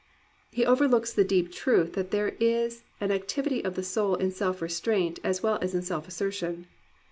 He overlooks the deep truth that there is an ac tivity of the soul in self restraint as well as in self assertion.